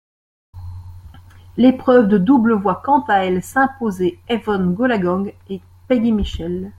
L'épreuve de double voit quant à elle s'imposer Evonne Goolagong et Peggy Michel.